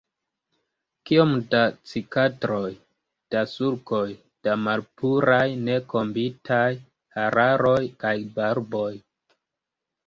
Kiom da cikatroj, da sulkoj, da malpuraj nekombitaj hararoj kaj barboj!